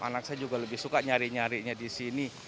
anak saya juga lebih suka nyari nyarinya di sini